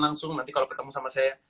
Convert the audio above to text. langsung nanti kalau ketemu sama saya